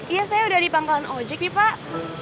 iya saya udah di pangkalan ojek nih pak